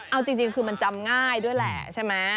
เอาจริงคือมันจำง่ายด้วยแหละใช่ไหม